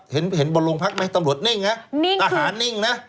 เห็นบนโรงพักษณ์มั้ยตำรวจนิ่งนะอาหารนิ่งนะ